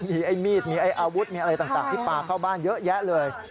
มีไอ้มีดมีอาวุธมีอะไรต่างที่ปลาเข้าบ้านเยอะแยะเลย